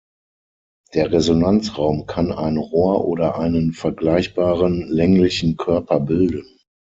Der Resonanzraum kann ein Rohr oder einen vergleichbaren länglichen Körper bilden.